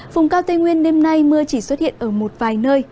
vùng cao tây nguyên đêm nay mưa chỉ xuất hiện ở một vài nơi